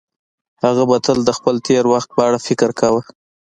هغه به تل د خپل تېر وخت په اړه فکر کاوه.